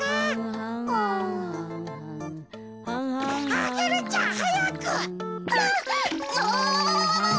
アゲルちゃんはやく！